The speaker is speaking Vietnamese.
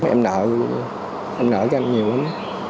em nợ em nợ cho anh nhiều lắm